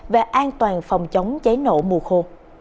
và an toàn phòng chống cháy nổ mùa khô